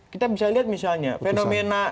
kita bisa lihat misalnya fenomena